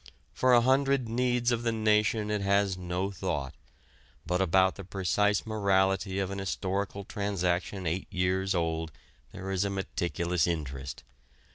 For a hundred needs of the nation it has no thought, but about the precise morality of an historical transaction eight years old there is a meticulous interest.